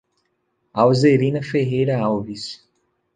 Alzerina Ferreira Alves